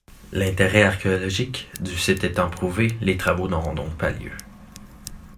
L'intérêt archéologique du site étant prouvé, les travaux n'auront donc pas lieu.